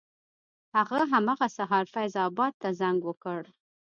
هغه همغه سهار فیض اباد ته زنګ وکړ.